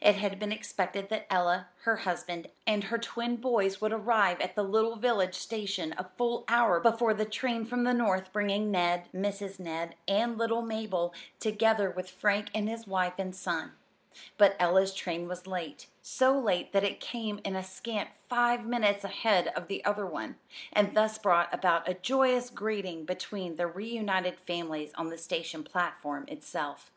It had been expected that Ella, her husband, and her twin boys would arrive at the little village station a full hour before the train from the north bringing Ned, Mrs. Ned, and little Mabel, together with Frank and his wife and son; but Ella's train was late so late that it came in a scant five minutes ahead of the other one, and thus brought about a joyous greeting between the reunited families on the station platform itself.